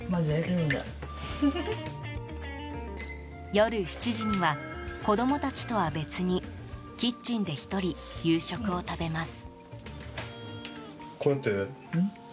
夜７時には、子供たちとは別にキッチンで１人夕食を食べます。